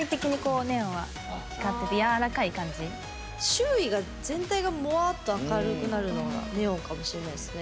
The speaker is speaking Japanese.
周囲が全体がモワッと明るくなるのがネオンかもしれないですね。